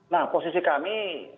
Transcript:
nah posisi kami